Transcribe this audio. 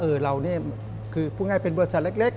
เรานี่คือพูดง่ายเป็นบริษัทเล็ก